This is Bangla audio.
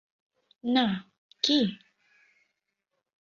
না, কী?